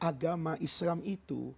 mengubah persepsi orang tentang adopsi